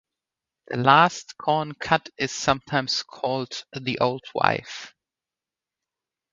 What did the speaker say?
The last corn cut is sometimes called the Old Wife.